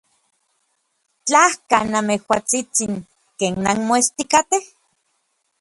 Tlajka, namejuatsitsin. ¿Ken nanmoestikatej?